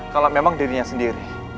kalau memang dirinya sendiri